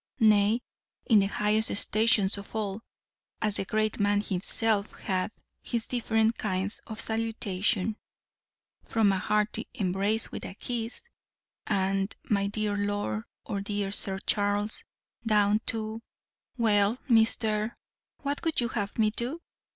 Nay, in the highest stations of all, as the great man himself hath his different kinds of salutation, from an hearty embrace with a kiss, and my dear lord or dear Sir Charles, down to, well Mr. , what would you have me do?